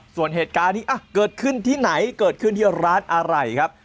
ส่วนเหตุการณ์นี้เกิดขึ้นที่ไหนเกิดขึ้นที่ร้านอะไรครับ